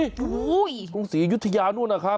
โอ้โหกรุงศรีอยุธยานู่นนะครับ